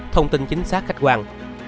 thông tin chính xác khách quan